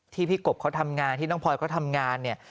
ที่พี่กบเขาทำงานที่น้องพลอยเขาทำงานเนี่ย